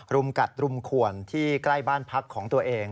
รุมกัดรุมขวนที่ใกล้บ้านพักของตัวเอง